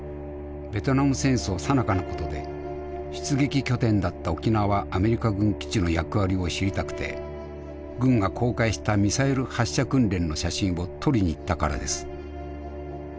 ベトナム戦争さなかのことで出撃拠点だった沖縄アメリカ軍基地の役割を知りたくて軍が公開したミサイル発射訓練の写真を撮りに行ったからです。